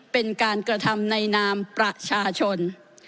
เป็นการกระทำในนามประชาชน